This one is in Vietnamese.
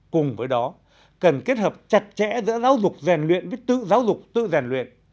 cùng với đó cần kết hợp chặt chẽ giữa giáo dục rèn luyện với tự giáo dục tự rèn luyện